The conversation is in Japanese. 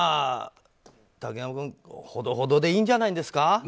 竹山君、ほどほどでいいんじゃないですか。